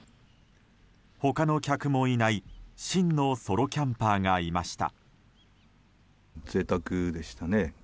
他の客もいない真のソロキャンパーがいました。